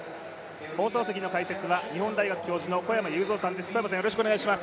放送席の解説は日本大学教授の小山裕三さんです。